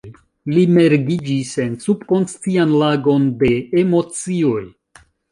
Li mergiĝis en subkonscian lagon de emocioj.